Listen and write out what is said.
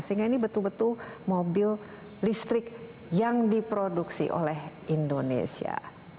sehingga ini betul betul mobil listrik yang diproduksi oleh indonesia